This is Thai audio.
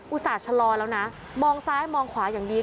ส่าห์ชะลอแล้วนะมองซ้ายมองขวาอย่างดี